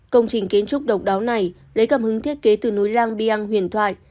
công trình kiến trúc độc đáo này lấy cảm hứng thiết kế từ núi rang biang huyền thoại